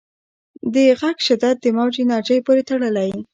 د غږ شدت د موج انرژۍ پورې تړلی.